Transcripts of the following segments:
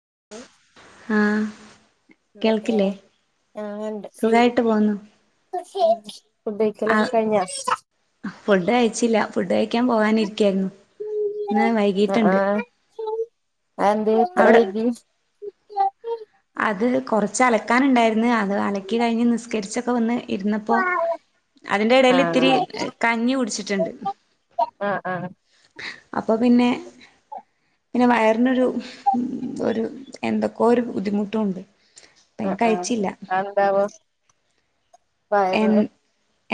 [unintelligible] ആ എന്തക്കെ ഞാൻ കണ്ട് സുഖായിട്ട് പോന്നു ഫുഡ് ആ കഴിക്കൽഒക്കെ കഴിഞ്ഞാ ഫുഡ് കയിച്ചില്ല ിക്കാൻ പോകാനിരിക്കായിരുന്നു വൈകിട്ടുണ്ട് അ എന്തേ ഇത്ര വൈകി അത് കൊറച്ച് അലക്കാന ഉണ്ടായിരുന്നു അത് അലക്കി കഴിഞ്ഞ് നിസ്കരിച്ചൊക്കെ വന്ന് ഇരുന്നപ്പോൊ അതിന്റെ ഇടയിൽ ആഹ് ആഹ് ഇത്തിരി കഞ്ഞി കുടിച്ചിട്ടുണ്ട് ആ ആ അപ്പ പിന്നെ പിന്നെ വയറിനൊരു ഒരു എന്തൊക്കോ ഒരു ബുദ്ധിമുട്ടുംഇണ്ട് അ അ എന്താവോ എ വയർന്ന്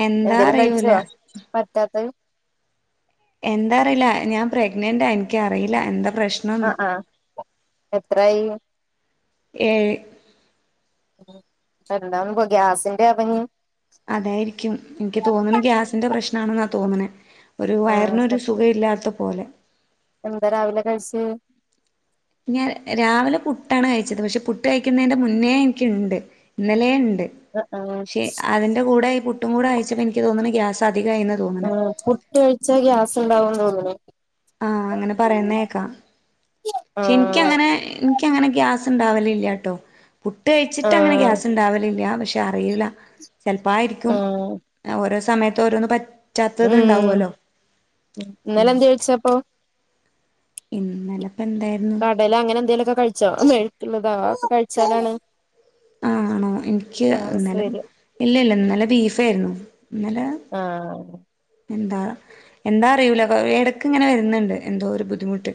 എന്താ എന്തേലും കഴിച്ചോ അറിയൂല പറ്റാത്തത് എന്താ അറിയില്ല ഞാൻ പ്രഗ്നന്റ്ാ എനിക്കറിയില്ല എന്താ അ പ്രശ്നംന്ന് അ എത്രയായി ഏഴ് എന്താവും പോ ഗ്യാസിന്റെ അപ്പഞ്ഞ് അതായിരിക്കും എനിക്ക് തോന്നണ ഗ്യാസിന്റെ പ്രശ്നണെന്നാ തോന്നണെ ഒരു ആഹ് വയറിനൊരു സുഖ ഇല്ലാത്ത പോലെ എന്താ രാവിലെ കഴിച്ച് ഞാൻ രാവിലെ പുട്ടാണ് കഴിച്ചത്. പക്ഷെ പുട്ട് കഴിക്കുന്നതിന്റെ മുന്നേ എനിക്കുണ്ട് ഇന്നലെ ഉ ആഹ് ആഹ് പ അതിന്റെ കൂടെ ഇ പുട്ടും കൂടെ കഴിച്ചപ്പോ എനിക്ക് തോ ആ പുട്ട് കഴിച്ച ഗ്യാസ് ഉണ്ടാവുന്ന് തോന്നണു. ആഹ് അങ്ങനെ പറയുന്നേക്കാ ക്ഷെ ആഹ് എനിക്കങ്ങനെ അങ്ങനെ ഗ്യാസ് ഇണ്ടാവലില്ല കേട്ടോ പുട്ട് കഴിച്ചിട്ടങ്ങനെ ആഹ് ഗ്യാസ്ണ്ടാവലില്ല പ പക്ഷെ അറിയില്ല ചിലപ്പോ ആയിരിക്കും. ആഹ് ഓരോ സമയത്ത് ഓരോന്ന് പ റ്റത്തത് ഉം ഉണ്ടാവുല്ലോ ഉം ഇന്നലെ എന്ത് കഴിച്ചപ്പോ ഇന്നല കടല അങ്ങനെ എന്തേലുംക്കെ കഴിച്ചോ? മേഴക്കള്ളതാ അതൊക്കെ കഴിച്ചാലാണ് ആണോ എനിക്ക് ഗ്യാസ് ഇന്നല വരിക ഇല്ല ഇല്ല ഇന്നല ബീഫയിരുന്നു ഇന്നല ആഹ് എന്താ എന്താ അറിയൂല ഇടക്ക് ഇങ്ങനെ വരുന്നുണ്ട്. എന്തോ ഒരു ബുദ്ധിമുട്ട്.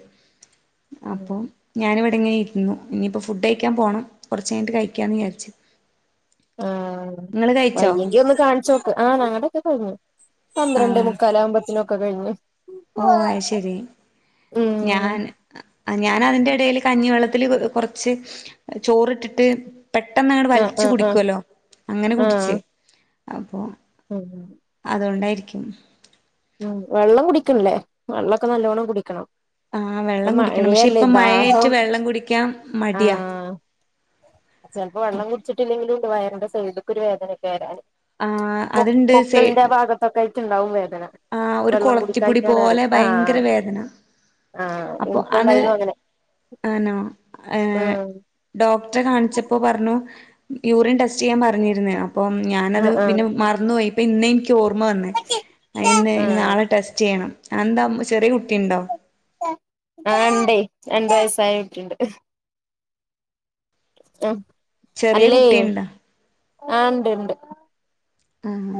അപ്പൊ ഞാനിവി ങ്ങനെ ഇരുന്നു ഇനിയിപ്പൊ ഫുഡ് കഴിക്കാൻ പോണം. കുറച്ചഴിഞ്ഞിട്ട് കഴിക്കാന്ന് വിചാരിച്ചു. ആഹ് വയ്യെങ്കി ഒന്ന് കാണിച്ചോക്ക്. ആ ഞങ്ങടെക്കെ പോന്നു. ആ പന്ത്രണ്ടേ മുക്കാല ആകുമ്പത്തിനുക്കെ കഴിഞ്ഞ്. ഓ അയ് ശരി ഉം ഞാൻ ആ ഞാൻ അതിന്റെടെല് കഞ്ഞിവെള്ളത്തില് കൊറച്ച് ചോറിട്ടിട്ട് പെട്ടെന്ന് അങ്ങടെ ആഹ് വലിച്ചു ആഹ് ആഹ് കുടിക്കുവല്ലോ അങ്ങനെ ആഹ് കുടിച്ച്. അപ്പൊ ഉം അതുകൊണ്ടായിരിക്കും. ഉം വെള്ളം കുടിക്കണല്ലേ വെള്ളോക്കെ നല്ലോണം കുടിക്കണം. ആ ഇപ്പ വെള്ളം കുടിക്കണം പക്ഷെ മഴയല്ലേ ഇപ്പം മഴയായിട്ട് ദാഹോം വെള്ളം കുടിക്കാൻ മടിയാ ആഹ് ചെലപ്പോ വെള്ളം കുടിച്ചിട്ടില്ലെങ്കിലും വയറിന്റെ സൈഡിക്ക് ഒരു വേദനൊക്കെ വരാന് ആ പൊക്കിളിന്റെ ഭാഗത്തൊക്ക ആയിട്ടുണ്ടാവും വേദ ആഹ് ഒരു കൊളത്തിപ്പൊടി പോലെ ഭയങ്കര ആഹ് വേദന. ആഹ് അപ്പൊ അത് എനിക്കുണ്ടായിരുന്നു അങ്ങനെ ആനോ ഉം ഡോക്ടറെ കാണിച്ചപ്പോ പറഞ്ഞു യൂറിൻ ടെസ്റ്റ് ചെയ്യാൻ പറഞ്ഞിരുന്നോ. അപ്പം ഞാനത് ആഹ് ആഹ് പിന്നെ മറന്നു പോയി. ഇപ്പ ഇന്ന് എനിക്ക് ഓർമ്മ വന്നേ ഇന്ന് ആഹ് നാളെ ടെസ്റ്റ് ചെയ്യണം എന്താ ചെറിയ കുട്ടിയ ഉണ്ടോ? ആ ഇണ്ടേ രണ്ട് വയസായകുട്ടിണ്ട്. ആഹ് ചെറിയ കുട്ടിയണ്ടാ? ആ ഇണ്ട് ഇണ്ട്. ആഹ്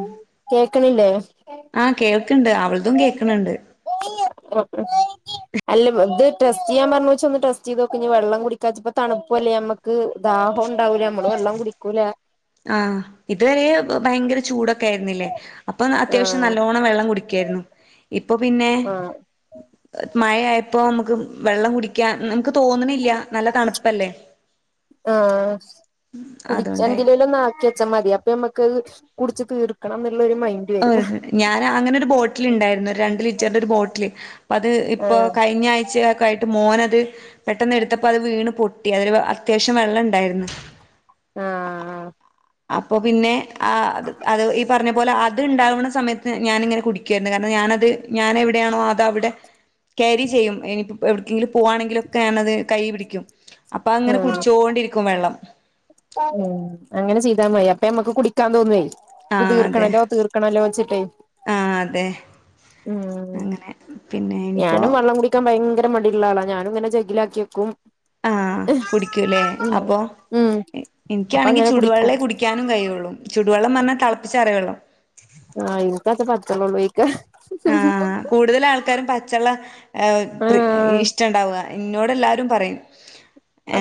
കേക്കണില്ലേ ആ കേൾക്ണ്ട് അവളതും കേക്കണണ്ട്. അല്ല ഇത് ടെസ്റ്റ് ചെയ്യാ പറഞ്ഞ വെച്ച ഒന്ന് ടെസ്റ്റ് ചെയ്ത് നോക്ക ഇ വെള്ളം കുടിക്കാച്ചപ്പ തണുപ്പൂല്ലേ ഞമക്ക് ദാഹോം ണ്ടാവൂല നമ്മള് വെള്ളം കുടിക്കൂല. ആ ഇതുവരെ ഭയങ്കര ചൂടാ. കെ യിരിനില്ലേ അത്യാവശ്യം ആഹ് നല്ലോണം വെള്ളം കുടിക്കരുന്നു. ഇപ്പൊ പിന്നെ ആഹ് മഴയായപ്പോ നമുക്ക് വെള്ളം കുടിക്കാൻ നമുക്ക് തോന്നണില്ല. നല്ല തണുപ്പല്ലേ ആ അതുകൊണ്ടായി കുടിചെങ്കിലും ലേലും ഒന്നാക്കി ച്ച മതി അപ്പൊ ഞമ്മക്ക്ത് കുടിച്ചിതീ ർക്കണം ഞാൻ അങ്ങനെ ഒരു ബോട്ടിൽ ഇണ്ടായിരുന്നു രണ്ട് ലിറ്ററിന്റെ ഒരു ബോട്ടിൽ അപ്പ അത് ഇപ്പ ക ആഹ് കഴഞ്ഞാഴ്ചയക്കായിട്ട് മോന അത് പെട്ടെന്ന് എടുത്തപ്പോ അത് വീണ് പൊട്ടി അതില് അത്യാവശ്യം വെള്ളം ഇണ്ടായിരുന്നു. ആ ആ അപ്പൊ പിന്നെ ആ അത് ഈ പറഞ്ഞ പോല അത് ഇണ്ടാവണ സമയത്ത് ഞാനിങ്ങനെ കുടിക്കായിരുന്നു. കാരണം ഞാനത് ഞാൻ എവിടെയാണോ അത അവിടെ ക്യാരി ചെയ്യും. ഇനിപ്പ എവിടെക്കെങ്കിലും പോവാണെങ്കിലൊക്കെ ഞനത് കൈ പിടിക്കും. അപ്പൊ അങ്ങനെ ആഹ് കുടിച്ചോണ്ടിരിക്കും. വെള്ളം ഉം അങ്ങനെ ചെയ്താ മതി അപ്പ നമ്മക്ക് കുടിക്കാൻ തോന്നു ആ ഇത് അതെ തീർക്കണല്ലോ തീർക്കണല്ലോ ച്ചിട്ട് ആ അതെ ഉം അങ്ങനെ പിന്നെ ഞാനും ഇനിയിപ്പോ വള്ളം കുടിക്കാൻ ഭയങ്കര മടി ഉള്ളആളാ ഞാനും ങ്ങനെ ജെഗിലാക്കി വക്കും ആ കുടിക്കൂല്ലേ അപ്പൊ ഉം അപ്പൊ എനിക്കാണെങ്കിൽ അങ്ങനെ കുടിക്കും ചുടുവെള്ളേ കുടിക്കാനും കഴിയുള്ളൂ ചുടുവെള്ളം പറഞ്ഞാ തിളപ്പിച്ചാറിയ വെള്ളം ആ ഇൻക്കത്ത [unintelligible] ക്ക ആഹ് കൂടുതൽ ആൾക്കാരും പച്ചള്ള എ പ്രി ആഹ് ഇഷ്ടുണ്ടാവ ഇന്നോട് എല്ലാരും പറയും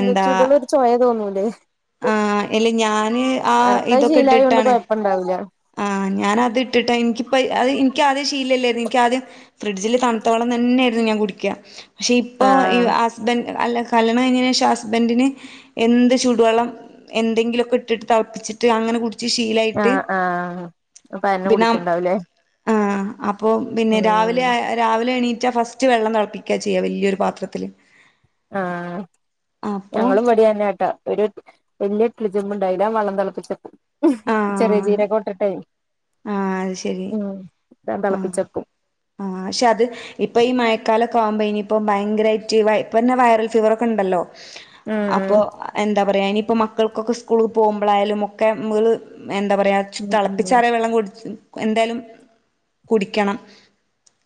എന്താ ചുടുള്ള ഒരു ചൊയ തോന്നൂലേ ആ ഇല്ല ഞാന് ആ എനക്കത് ഇതൊക്കെ ശീലായോണ്ട് ഇട്ടിട്ടാണ് കൊഴപ്പണ്ടാവൂല ആ ഞാനത് ഇട്ടിട്ടാ എനിക്കിപ്പ അത് എനിക്കാദ്യം ശീലല്ലായിരുന്നു ഇനിക്കാ ദ്യ ഫ്രിഡ്ജിൽ തണുത്ത വെള്ളം തന്നെ ന്നായിരുന്നു ഞാൻ കുടിക്ക പക്ഷെ ഇപ്പൊ ഇ ആഹ് ഹസ്ബൻ- അല്ല കല്യാണം കഴിഞ്ഞിന് ശേഷം ഹസ്ബൻഡിന് എന്ത് ചുടുവെള്ളം എന്തെങ്കിലുമൊക്കെ ഇട്ടിട്ട് തിളപ്പിച്ച ട്ട് അങ്ങനെ കുടിച്ച് ശീലായിട്ട് ആ അപ്പൊ അതെന്നെ കുടിക്കണ്ടാവൂലേ ആ അപ്പോപിന്നെ രാവിലെ രാവിലെ എണീറ്റ് ഫസ്റ്റ് വെള്ളം തിളപ്പിക്കാ ചെയ്യ വലിയൊരു പാത്രത്തില് ആ അപ്പൊ ഞങ്ങളും പടി അതന്നെട്ടാ ഒരു വലിയ ഇട്ട്ലി ചെമ്പ്ണ്ട് അയില വള്ളം തിളപ്പിച്ചെക്കും ഹ് ചെറിയ ആഹ് ചീരകോ ഇട്ടിട്ടെ ആഹ് അത് ശരി ഉം തളപ്പി ച്ച ആ ആഹ് ക്ഷെ അത് ഇപ്പൊ ഈ മഴക്കാലകാവുമ്പോ ഇനി ഇപ്പം ഭയങ്കരായിറ്റ് [unintelligible] വൈറൽ ഫീവറൊക്കെ ണ്ടല്ലോ അപ്പൊ ഉം എന്താ പറയാ ഇനിയിപ്പോ മക്കൾക്കൊക്കെ സ്കൂള് പോകുമ്പോളായാലും ഒക്കെ മള് എന്താ പറയാ ഉം ഉം ഉം തിളപ്പിച്ചാറിയ വെള്ളം കുടി എന്ത കുടിക്കണം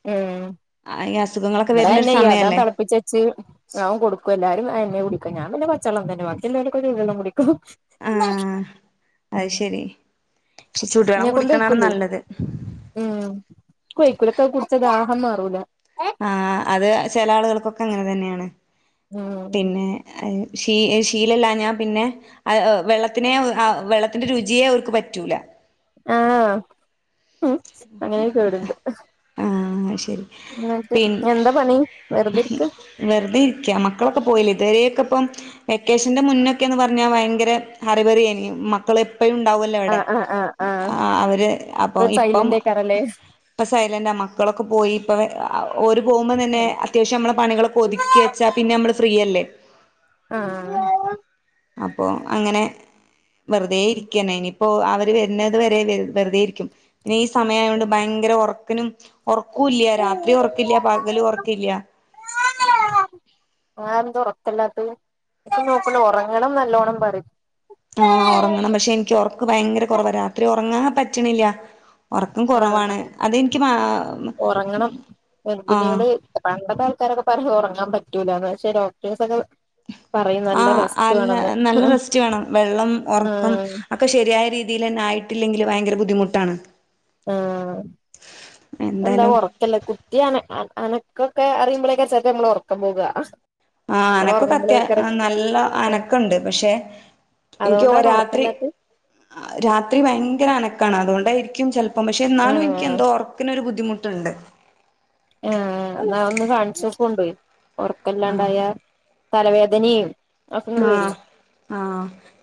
മ്മ് ആ, ഈ അസുഖങ്ങളൊക്കെ വരുന്നൊരു ഇപടതന്നെയ്യ അതാ സമയല്ലേ തിളപ്പിച്ചച്ച് അതൺ കൊടുക്കും എല്ലാരും അതെ ന്നെ കുടിക്ക ഞാപ്പിന്നെ പച്ചള്ളം തന്നെ കുടിക്ക വാക്കില്ലോലൊക്കെ ചൂടുവള്ളംകുടിക്കും ആ അത് ഹും ശരി പക്ഷെ ഇന്നേ ചൂടുവെള്ളം കൊണ്ട് കുടിക്കണാണ് വെയ്ക്കൂലേ നല്ലത് ഉം ഇക്വെയ്ക്കൂല ഇക്കത് കുടിച്ച ദാഹം മാറൂല ആ അത് ചില ആളുകൾക്കൊക്കെ അങ്ങനെ തന്നെയാണ് ഉം പിന്നെ അയ് ഷീ ശീലല്ലാഞാ പിന്നെ അഹ് വെള്ളത്തിനെ അ വെള്ളത്തിന്റെ രുചിയെ അവർക്ക് പറ്റൂല ആഹ് അങ്ങനൊര് കേട്ണ്ട് എന്നിട്ട് പിൻ എന്താ പണി വെറുതിരിക്ക വെറുതെ ഇരിക്ക മക്കളൊക്കെ പോയില്ലേ ഇതുവരെക്കെപ്പം വെക്കേഷന്റെ മുന്നക്കെന്ന് പറഞ്ഞാ ഭയങ്കര ഹറിവറിയായിന്നു മക്കള് പഴു ഉണ്ടാവോല്ലോ വിടെ ആഹ് ആഹ് അവര് അപ്പൊ ല്ലന്റെയ്കാരലേ ഇപ്പ സൈലന്റാ മക്കളൊക്കെ പോയി ഇപ്പൊഓര് പോകുമ്പോ തന്നെ അത്യാവശ്യം നമ്മളെ പണികളൊക്കെ ഒതുക്കി വെച്ചാ പിന്നെ നമ്മള് ഫ്രീ യല്ലേ ആഹ് അപ്പൊ അങ്ങനെ വെറുതെ ഇരിക്കന് ഇനി ഇപ്പൊ അവര് വരുന്നതു വരെ വെറുതെയിരിക്കും പിന്നെ ഈ സമയ യായൊണ്ട് ഭയങ്കര ഉറക്കിനും ഉറക്കൂല്ല രാത്രി ഉറക്കില്ല പകലും ഉറക്കില്ല ആ അഎന്ത ഉറക്കല്ലാത്തഹ് ക്ക് നോക്കല ഒറങ്ങണം നല്ലോണം പറി ആഹ് ഉറങ്ങണം പക്ഷെ എനിക്ക് ഉറക്ക് ഭയങ്കര കുറവ രാത്രി ഉറങ്ങാൻ പറ്റ് ണില്ല ഉറക്കം ആഹ് കുറവാണ് അതെനിക്ക് മാ ഉറങ്ങണം ആഹ് പലതു പറി ഉറങ്ങാൻ പറ്റൂല പക്ഷെ ഡോക്ടേഴ്സെന്നെ പറി ആഹ് അല്ല നല്ല റെസ്റ്റ് വേണം വെള്ളം ഉറക്കം ആഹ് ഒക്കെ ശരിയായ രീതിയിൽ ന്നെ ആയിട്ടില്ലെങ്കിൽ ക് ഭയങ്കര ബുദ്ധിമുട്ടാണ് ആ എന്താ എന്തായാലും ഉറക്കല്ല കുട്ടിണ് അ അനാ ക്കൊക്കെ അറിയുമ്പോളെക്കെച്ചേപ്പൊ നമ്മള് ഉറക്കം പോക ആ അനക്കകൊ അത്യ ആ നല്ല അനക്കണ്ട് പക്ഷെ എനിക്ക് ഒ അതുകൊണ്ടാണ് രാത്രി ഉറക്കല്ലാത്ത രാത്രി ഭയങ്കര അനക്കാണ് അതുകൊണ്ടായി ക്യും ചെൽപ്പം പക്ഷെ എന്നാലും എനിക്ക് ആഹ് എന്തോ ഉറക്നൊരു ബുദ്ധിമുട്ടുണ്ട് ആഹ് എന്നാ ഒന്ന് കാണിചോകൊണ്ട് ആഹ് ഉറക്കല്ലാണ്ടായാ തലവേദനിം ആ ആ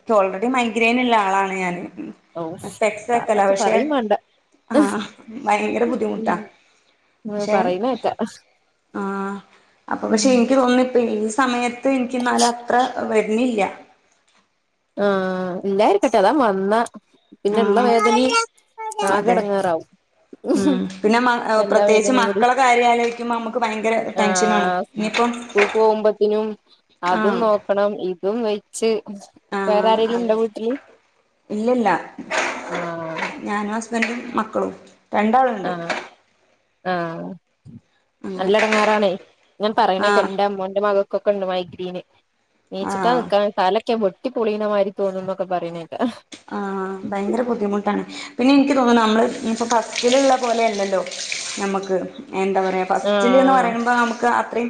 പ്പ ഓൾറെഡി മൈഗ്രൈയിൻ ള്ള ആളാണ് ഞാന് ഉം ഔ അ സ്പെക്സ് വെക്കലാ കാക്കാച്ചി പശെ പറയും വേണ്ട ഹാഹ് ഭയങ്കര ഉം ബുദ്ധിമുട്ടാ ക്ഷെ പറയുന്നേക്കാ ആ അപ്പൊ ഉം പക്ഷെ എൻക്ക് തോന്നുന്നു [unintelligible] സമയത്ത് ഇനിക്ക് ന്നാലത്ര ഹ് വര്ന്നില്ല ആഹ് ഇല്ലായിരിക്കട്ടെ അതാ വന്ന പിന്നെള്ള ആഹ് വേദനിം അതെ ആകെടങ്ങേറാവും ഉം പിന്നെമ അ പ്രത്യേകിച്ച് കൂടി മക്കളെ കാര്യം ആലോയ്ക്കുമ്പോ നമ്മക്ക് ഭയങ്കര ടെൻഷനാണ് ഇനി പ്പൊ സ്കൂക്കോഉമ്പോത്തിനും അതും ആഹ് നോക്കണം ഇതും വെച്ച് വേറെ ആഹ് ആരെേലും അതെ ണ്ടോ വീട്ടില് ഇല്ലില്ല ആഹ് സ്ബൻറും മക്കളും രണ്ടാളുണ്ട് ആ ആഹ് അങ്ങനെ നല്ലടങ്ങാറാണേ ഞാൻ പറയ്ണെക്ക ആഹ് എന്റ്അമ്മോന്റെ മകൾക്കൊക്കെണ്ട് മൈഗ്രീൻ നീച്ചിട്ടാ ആഹ് നിക്കാൻ സ്ഥലൊക്ക വെട്ടി പൊളീണ മാതിരി തോന്നു ന്നൊക്കെ പറയണേ ആഹ് ഭയങ്കര ബുദ്ധിമുട്ടാണ് പിന്നെഇ ക്ക് തോന്നുന്നു നമ്മള് ഇപ്പഫസ്റ്റിലുള്ള പോലെ അല്ലല്ലോ നമ്മക്ക് എന്താ പറയ ഫസ്റ്റില്ന്ന് ആഹ് പറയുമ്പോ നമുക്ക് അത്രയും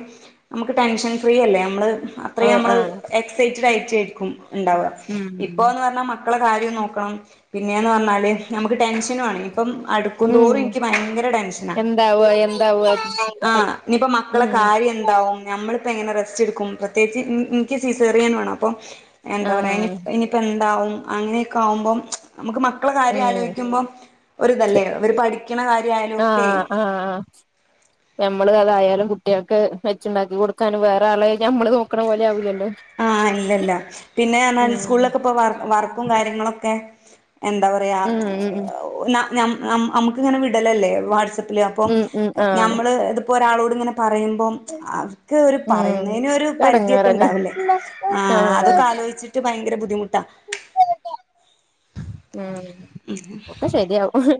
നമുക്ക് ടെൻഷൻ ഫ്രീയല്ലേ നമ്മൾ അത്രയും ആഹ് നമ്മള് ആഹ് എക്സൈറ്റഡ് റ്റ്റ്റെരിക്കും ഉണ്ടാവ ഇപ്പ എന്ന് പറഞ്ഞാൽ മ ക്കളെ കാര്യം നോക്കണം പിന്നെന്ന് പറഞ്ഞാല് നമുക്ക് ടെൻഷനു ആണെ ഇപ്പം അടുക്കും ഉം തോറും ൻക്ക് ഭയങ്കര ടെൻഷനാ എന്താവ എന്താവ ആ ഇനിയിപ്പോ ഉം മക്കളെ കാര്യം എന്താവും നഞമ്മളിപ്പോ എങ്ങനെ റസ്റ്റ് എടു കും പ്രത്യേകിച്ച്ഉം ഉം എനിക്ക് സിസറിയനാണു അപ്പൊ എന്താ പറയാനി ആഹ് ഇനിപ്പോ എന്താവും അങ്ങനെയൊക്കെ ആവുമ്പോം നമുക്ക് മക്കളെ കാര്യം ഉം ആലോയി ക്കുമ്പോം ഒരുതല്ലേ അവര് പഠിക്കണ കാര്യയാലും ഒക്കെ ആഹ് ആഹ് ഞമ്മള് അതായാലും കുട്ടികൾക്ക് നമ്മള് അതായാലും കുട്ടിയൊക് വെച്ചുണ്ടാക്കി കൊടുക്കാനും വേറെ ആളെ ഞമ്മള് നോക്കണ പോലെ ആവൂലല്ലോ ആ ഇല്ല ഇല്ല പിന്നെ ഗവണ്മെന്റ് ഉം സ്കൂളിലൊക്കെ ഇപ്പ വർ വർക്കും കാര്യങ്ങളൊക്കെ എന്താ പറയാ ആ ഉം ഉം ന്ന ന്ന നമ്മുക്ക് ഇങ്ങനെ വിടലല്ലേ വാട്സപ്പ് ഇല്ല അപ്പം ഉം ഉം ആഹ് ഞമ്മൾ ഇത് പ്പൊ ഒരാളോട് ഇങ്ങനെ പറയുമ്പം അവക് ഒരു ഉം പറയുന്നെയിൻ ഒരു [unintelligible] എടങ്ങേറന്നെ ഉണ്ടവില്ലേ ആ അതൊക്കെ ആഹ് അലോയിചിട്ട് ഭയങ്കര ബുദ്ധിമുട്ട ഉം ഒക്കെ ശരിയാവും ഹ്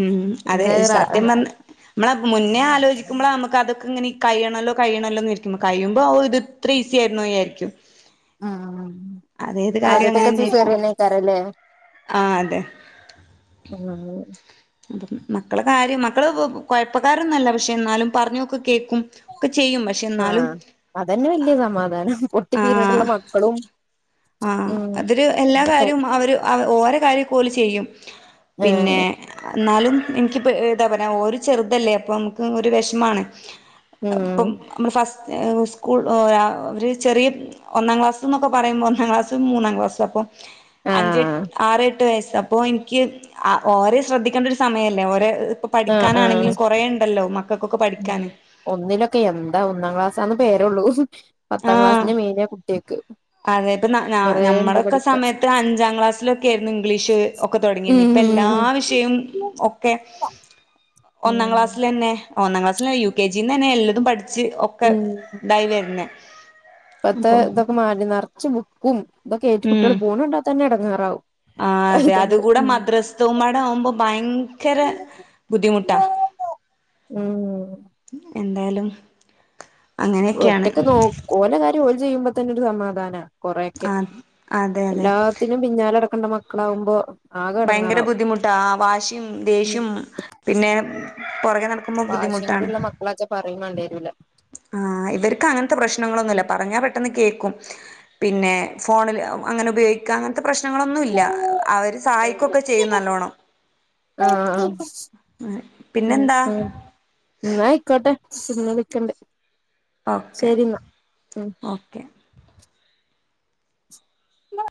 ഉം അതെ സത്യം പറഞ്ഞ നമ്മള മുന്നേ ആലോചിക്കുമ്പള നമുക്ക് അതക്കെ ഇങ്ങനെ കഴ്യണല്ലോ കഴ്യണല്ലോ എന്ന് വിരിക്കും കഴിയുമ്പോഓ ഇത്ര ഈസി ആയിരുന്നോ യായിരിക്കും ആ ആ ആ ആദ്യത്തതൊക്കെ സിസേറിയനെ ആകാരം അല്ലെ ആ അതെ ഉം മ് മക്കള് കാര്യം മക്കള് കുഴപ്പക്കാരൊന്നും അല്ല പക്ഷെ എന്നാലും പറഞ്ഞോക് കേക്കും ഒക്കെ ചെയ്യും പക്ഷേ എന്നാലും ആഹ് അതന്നെ വല്യ സമാധാനം പൊട്ടി ആ പീരീഡ്ള്ള മക്കളും ആ ഉം അതൊര് എല്ലാ അങ്ങനൊക്കെ കാര്യവും അവര് ഓര കാര്യക്കെ ഒര് ചെയ്യും പിന്നെ ആഹ് ന്നാലും എനിക്കിപ്പേ താ പറയാ ഒരു ചെറുതല്ലേ അപ്പോൾ നമുക്ക് ഒരു വെഷമാണ് ഉം ഇപ്പം നമ്മ ഫസ്റ്റ് ഏ സ്കൂൾ അവര് ചെറിയ ഒന്നാം ക്ലാസ് എന്നൊക്കെ പറയുമ്പോൾ ഒന്നാം ക്ലാസ്സും മൂന്നാം ക്ലാസ്സും അപ്പോ അഞ്ചട്ട് ആഹ് ആറ്ട്ട് വയസ് അപ്പോ എനിക്ക് ഓരെ ശ്രദ്ധിക്കേണ്ട ഒരു സമയമല്ലേ ഓരെ ഇപ്പൾ ആഹ് ആഹ് പഠിക്കാനാണെങ്കിലും കൊറേണ്ടല്ലോ ഉം ഒന്നിലൊക്കെ എന്താ ഒന്നാം ക്ലാസാന്ന് പേരുള്ളൂ പത്താം ആഹ് ക്ലാസ്സിന്റെ മേനിയാ കുട്ട്യാക്ക് അതെ ഇപ്പ നമ്മളൊക്കെ സമയത്ത് അഞ്ചാം ക്ലാസ്സിലൊക്കെ ആയിരുന്നു ഇംഗ്ലീഷ് ഒക്കെ തുടങ്ങിയത് ഇപ്പല്ല എല്ലാ ഉം വിഷയും ഒക്കെ ഒന്നാം ഉം ക്ലാസ്സിലെന്നെ ഒന്നാം ക്ലാസ്സിൽ യു കെ ജിന്ന് തന്നെ എല്ലതും പഠിച്ച് ഒക്കെ ഉം ഇതായി വരുന്നേ ഇപ്പത്തെ ഇതൊക്കെ മാറ്റി നർച്ച് ബുക്കും ഇതൊക്കെ ഏറ്റ് കുട്ടികൾ പോണണ്ടാ തന്നെ എടങ്ങാറാവും ആ അതെ അത്‌കൂടെ മദ്രസ്ത്തതുംപാടെ ആവുമ്പോ ഭയങ്കര ബുദ്ധിമുട്ടാ ഉം എന്തായാലും അങ്ങനെയൊക്കെയാണ് ഒറ്റക്ക് നോ ഓലെ കാര്യം ഓല് ചെയ്യുമ്പോ തന്നെ ഒരു സമാധാനാ കൊറേയൊക്കെ ആഹ് അതെ അതെ എല്ലാത്തിനും പിന്നാല നടക്കണ്ട മക്കളാവുമ്പോ ആകെ ഭയങ്കര എടങ്ങേറാവും ബുദ്ധിമുട്ടാ ആ വാശിയും ദേഷ്യം പിന്നെ പുറകെ നടക്കുമ്പോൾ വാശിയും ബുദ്ധിമുട്ടാണ് കൂടിള്ള മക്കളാച്ചാ പറയും വേണ്ടിവരൂല ആ ഇവർക്ക് അങ്ങനത്തെ പ്രശ്നങ്ങളൊന്നുല്ല പറഞ്ഞാ പെട്ടെന്ന് കേൾക്കും പിന്നെ ഫോണിൽ അങ്ങനെ ഉപയോഗിക്കാ അങ്ങനത്തെ പ്രശ്നങ്ങളൊന്നുല്ല അവര് സഹായി കൊക്കെ ചെയ്യും നല്ലോണം ആ ആ ഉം പിന്നെന്താ ഉം ന്നാ ആയിക്കോട്ടെ ചിന്ന വിക്കണ്ട് ഓക്കെ ഓക്കെ ഉ